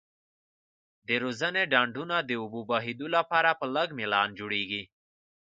د روزنې ډنډونه د اوبو بهیدو لپاره په لږ میلان جوړیږي.